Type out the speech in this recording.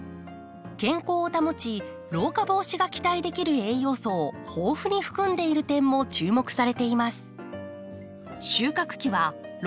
健康を保ち老化防止が期待できる栄養素を豊富に含んでいる点も注目されています。